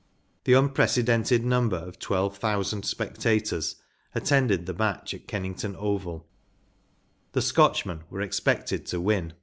The un precedented number of 12,000 spectators attended the match at Kennington Oval, The Scotchmen were expected to win.